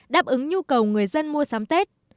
đáp ứng nhu cầu người dân mua sắm tết